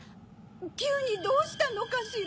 きゅうにどうしたのかしら？